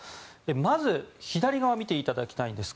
まず左側見ていただきたいです。